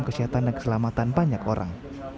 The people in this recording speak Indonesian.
kesehatan dan keselamatan banyak orang